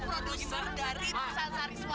produser terkenal itu